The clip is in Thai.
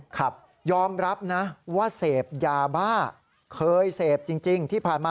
ครับยอมรับนะว่าเสพอย่าบ้า